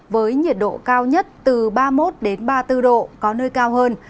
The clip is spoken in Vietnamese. với nhiệt độ cao nhất từ ba mươi một ba mươi bốn độ có nơi cao hơn